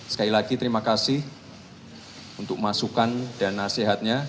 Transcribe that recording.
sekali lagi terima kasih untuk masukan dan nasihatnya